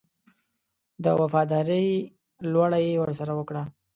د وفاداري لوړه یې ورسره وکړه.